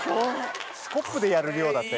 スコップでやる量だったよ